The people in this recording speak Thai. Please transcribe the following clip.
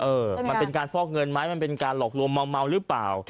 มันเป็นการฟอกเงินไหมมันเป็นการหลอกลวงเมาหรือเปล่า